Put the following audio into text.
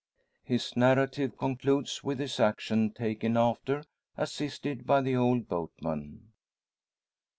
His narrative concludes with his action taken after, assisted by the old boatman.